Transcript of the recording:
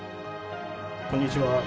こんにちは。